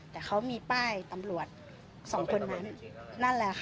แต่เขามีป้ายตำรวจสองคนนั้นนั่นแหละค่ะ